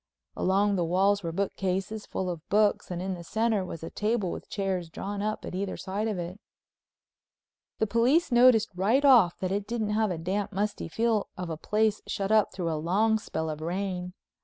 Along the walls were bookcases full of books and in the center was a table with chairs drawn up at either side of it. The police noticed right off that it didn't have the damp, musty feel of a place shut up through a long spell of rain.